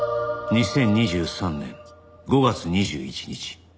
「２０２３年５月２１日」